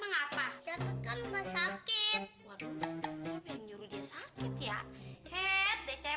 enggak sakit ya